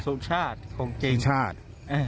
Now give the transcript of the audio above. สุชาติสุชาติ